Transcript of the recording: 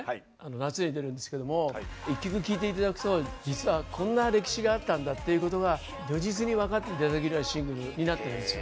夏に出るんですけども一曲聴いて頂くと実はこんな歴史があったんだっていうことが如実に分かって頂けるようなシングルになってるんですよ。